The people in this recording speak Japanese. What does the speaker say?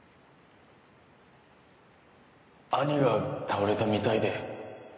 兄が倒れたみたいで